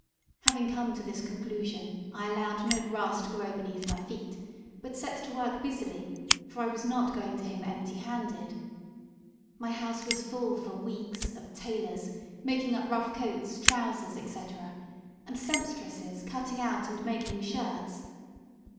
Having come to this conclusion, I allowed no grass to grow beneath my feet, but set to work busily, for I was not going to him empty handed. My house was full for weeks, of tailors, making up rough coats, trousers, etc., and sempstresses cutting out and making shirts.